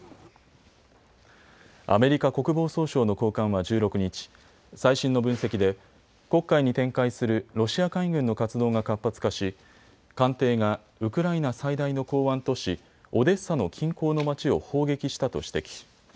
アメリカ国防総省の高官は１６日、最新の分析で黒海に展開するロシア海軍の活動が活発化し艦艇がウクライナ最大の港湾都市オデッサの近郊の町を砲撃したと指摘。